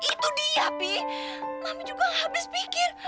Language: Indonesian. itu dia pi mami juga gak habis pikir